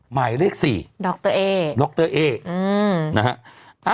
หมายเลข๔ดรเอดรเออืมนะฮะ